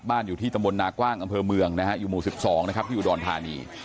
บ้านอยู่ที่ตมนกว้างอเมืองนะฮะอยู่หมู่๑๒นะครับอยู่ดอนฐานี